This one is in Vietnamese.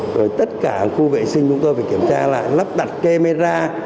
rồi tất cả khu vệ sinh chúng tôi phải kiểm tra lại lắp đặt camera